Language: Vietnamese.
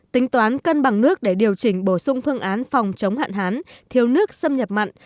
tính toán cân bằng nước để điều chỉnh bổ sung phương án phòng chống hạn hán thiếu nước xâm nhập mặn